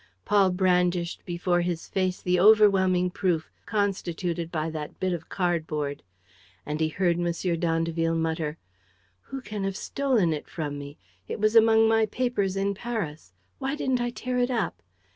Paul brandished before his face the overwhelming proof constituted by that bit of cardboard. And he heard M. d'Andeville mutter: "Who can have stolen it from me? It was among my papers in Paris. ... Why didn't I tear it up?